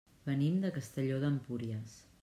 Venim de Castelló d'Empúries.